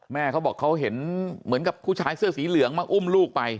เขาบอกเขาเห็นเหมือนกับผู้ชายเสื้อสีเหลืองมาอุ้มลูกไป